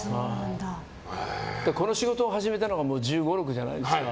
この仕事を始めたのが１５１６じゃないですか。